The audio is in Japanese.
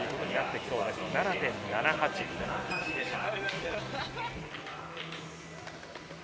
７．７８でした。